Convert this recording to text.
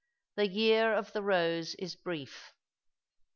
THE YEAB OP THE ROSE IS BRIEF."